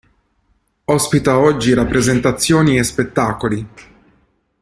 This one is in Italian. Ospita oggi rappresentazioni e spettacoli.